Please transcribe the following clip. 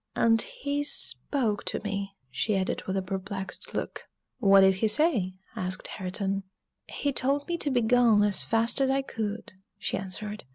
"And he spoke to me," she added with a perplexed look. "What did he say?" asked Hareton. "He told me to begone as fast as I could," she answered.